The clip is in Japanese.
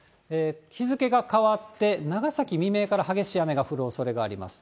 日付が変わって、長崎、未明から激しい雨が降るおそれがあります。